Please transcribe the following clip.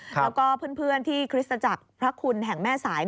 แล้วก็เพื่อนที่คริสตจักรพระคุณแห่งแม่สาย